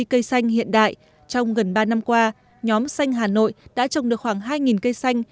cây xanh hiện đại trong gần ba năm qua nhóm xanh hà nội đã trồng được khoảng hai cây xanh